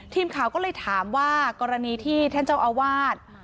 ทีมข่าวก็เลยถามว่ากรณีที่ท่านเจ้าอาวาส